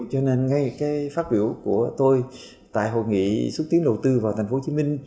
cho nên ngay cái phát biểu của tôi tại hội nghị xúc tiến đầu tư vào thành phố hồ chí minh